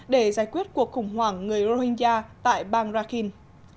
để giải quyết cuộc khủng hoảng người rohingya tại bang rakhin